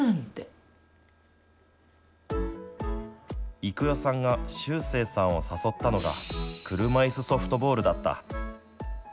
育代さんが秀星さんを誘ったのが車いすソフトボールだった。